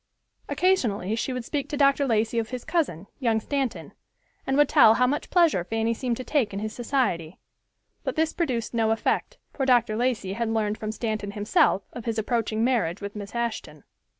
Occasionally she would speak to Dr. Lacey of his cousin, young Stanton, and would tell how much pleasure Fanny seemed to take in his society. But this produced no effect, for Dr. Lacey had learned from Stanton himself of his approaching marriage with Miss Ashton.